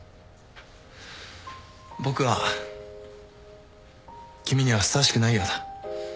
僕は君にはふさわしくないようだ。